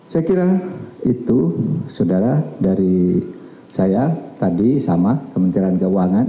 saya kira itu saudara dari saya tadi sama kementerian keuangan